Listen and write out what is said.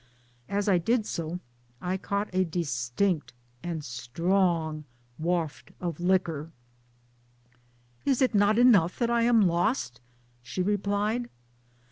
As I did so I caught a distinct and strong waft of liquor. " Is it not enough that I am lost? " she replied.